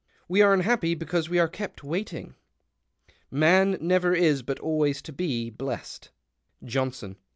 —'' \\V are un happy because wc arc ke|)t waiting. ' Man never is, but always to be, blest.' " Johnson.